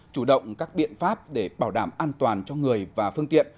chủ động các biện pháp để bảo đảm an toàn cho người và phương tiện